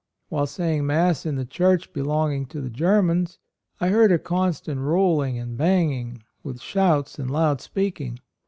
While saying Mass in the church belonging to the Germans, I heard a constant rolling and AND MOTHER. 81 banging, with shouts and loud speaking.